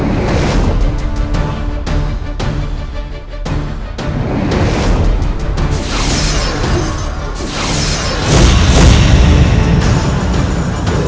desa perempuan pengecut bawa anakku